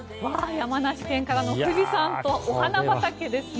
山梨県からの富士山とお花畑ですね。